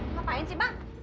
ngapain sih bang